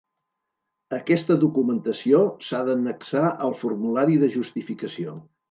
Aquesta documentació s'ha d'annexar al formulari de justificació.